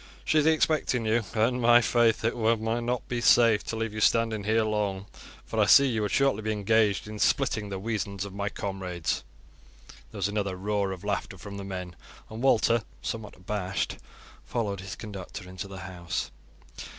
She is expecting you; and, my faith, it would not be safe to leave you standing here long, for I see you would shortly be engaged in splitting the weasands of my comrades." There was another roar of laughter from the men, and Walter, somewhat abashed, followed his conductor into the house.